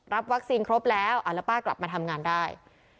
วัคซีนครบแล้วแล้วป้ากลับมาทำงานได้